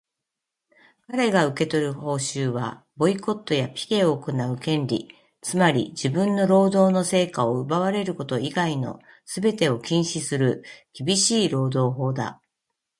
かれが受け取る報酬は、ボイコットやピケを行う権利、つまり自分の労働の成果を奪われること以外のすべてを禁止する厳しい労働法だ。